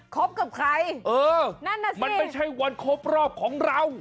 ครบกับใครนั่นสิเออมันไม่ใช่วันครบรอบของเรา